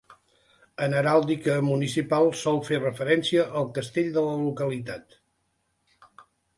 En heràldica municipal sol fer referència al castell de la localitat.